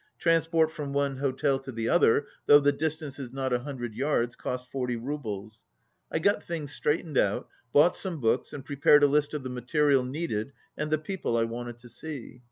Transport from one hotel to the other, though the distance is not a hundred yards, cost forty roubles. I got things straightened out, bought some books, and prepared a list of the material needed and the people I wanted to see.